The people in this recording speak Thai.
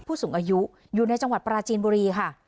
ผู้สูงอายุอยู่ในจังหวัดปราจีนบุรีค่ะ